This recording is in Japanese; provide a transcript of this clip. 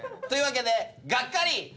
というわけでがっかり。